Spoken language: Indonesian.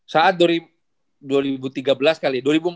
saat dari dua ribu tiga belas kali